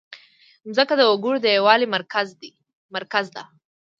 مځکه د وګړو د یووالي مرکز ده.